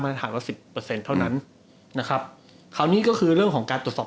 ฐานละสิบเปอร์เซ็นต์เท่านั้นนะครับคราวนี้ก็คือเรื่องของการตรวจสอบ